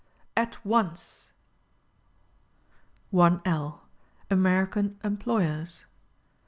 AT ONCE! 1 L. ( American )— Employers.